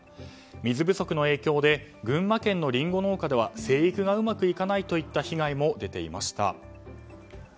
水不足の影響で群馬県のリンゴ農家では生育がうまくいかないといった被害も出ていました。